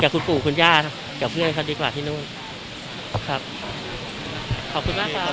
กับคุณปู่คุณย่าครับกับเพื่อนเขาดีกว่าที่นู่นครับขอบคุณมากครับ